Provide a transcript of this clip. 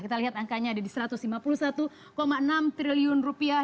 kita lihat angkanya ada di satu ratus lima puluh satu enam triliun rupiah